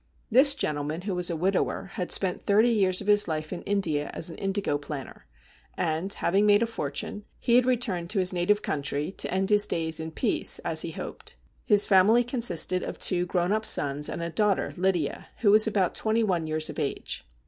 This gentleman, who was a widower, had spent thirty years of his life in India as an indigo planter, and, having made a fortune, he had returned to his native country to end his days in peace, as he hoped. His family consisted of two grown up sons and a daughter, Lydia, who was about twenty one years of age.